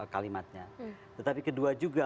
kalimatnya tetapi kedua juga